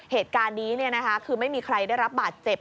เหตุการณ์นี้คือไม่มีใครได้รับบาดเจ็บ